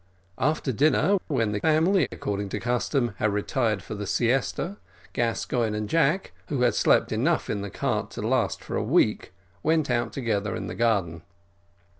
After dinner, when the family, according to custom, had retired for the siesta, Gascoigne and Jack, who had slept enough in the cart to last for a week, went out together in the garden.